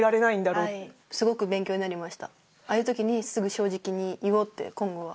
ああいう時にすぐ正直に言おうって今後は。